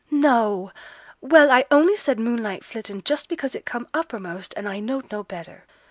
'No! Well, I only said "moonlight flittin'" just because it come uppermost and I knowed no better.